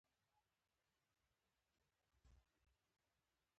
هغه له يوه بوټ جوړوونکي شپږ سنټه قرض کړل.